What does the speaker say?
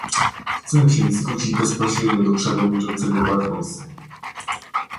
Chcę się zwrócić bezpośrednio do przewodniczącego Barroso